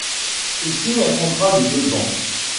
Il signe un contrat de deux ans.